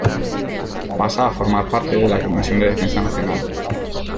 Pasa a formar parte de la Comisión de Defensa Nacional.